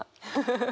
フフフ。